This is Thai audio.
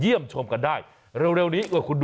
ยืนยันว่าม่อข้าวมาแกงลิงทั้งสองชนิด